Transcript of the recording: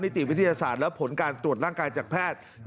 ติวิทยาศาสตร์และผลการตรวจร่างกายจากแพทย์